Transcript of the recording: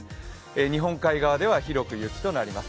日本海側では広く雪となります。